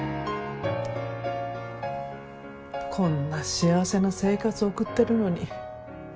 こんな幸せな生活を送ってるのに。